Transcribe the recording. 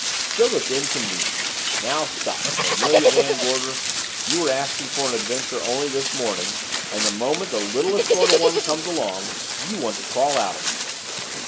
Still, its inconvenient now, stop Cornelia Van Gorder you were asking for an adventure only this morning and the moment the littlest sort of one comes along, you want to crawl out of it."